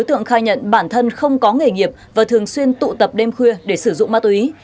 tự nhiên bản thân không có nghề nghiệp và thường xuyên tụ tập đêm khuya để sử dụng ma túy